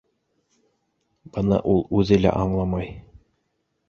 Быны ул үҙе лә аңламай